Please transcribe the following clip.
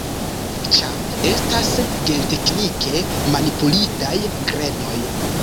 Ĉar estas genteknike manipulitaj grenoj.